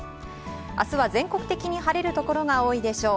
明日は、全国的に晴れるところが多いでしょう。